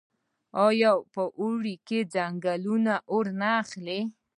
آیا په اوړي کې ځنګلونه اور نه اخلي؟